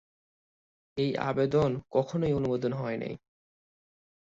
এই আবেদন কখনই অনুমোদিত হয়নি।